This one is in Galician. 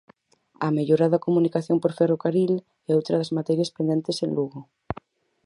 A mellora da comunicación por ferrocarril é outra das materias pendentes en Lugo.